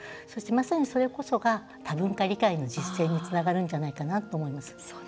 まさにそれこそが多文化理解の実践につながるんじゃないかなと思います。